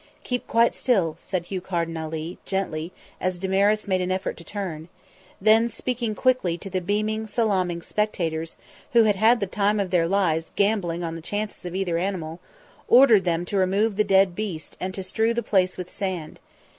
"Keep quite still," said Hugh Carden Ali, gently, as Damaris made an effort to turn; then, speaking quickly to the beaming, salaaming spectators, who had had the time of their lives gambling on the chances of either animal, ordered them to remove the dead beast and to strew the place with sand.